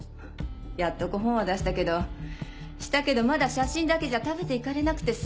やっとこ本は出したけどしたけどまだ写真だけじゃ食べていかれなくてさ。